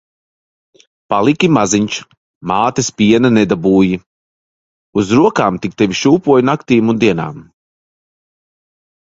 Paliki maziņš, mātes piena nedabūji. Uz rokām tik tevi šūpoju naktīm un dienām.